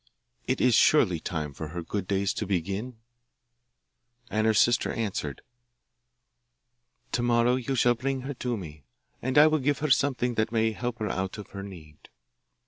It is surely time for her good days to begin?' And the sister answered, 'To morrow you shall bring her to me, and I will give her something that may help her out of her need.